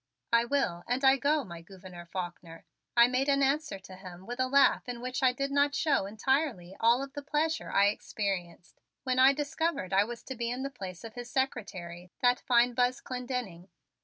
"I will and I go, my Gouverneur Faulkner," I made an answer to him with a laugh in which I did not show entirely all of the pleasure I experienced when I discovered I was to be in the place of his secretary, that fine Buzz Clendenning.